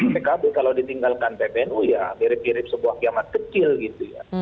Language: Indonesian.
pkb kalau ditinggalkan pbnu ya mirip mirip sebuah kiamat kecil gitu ya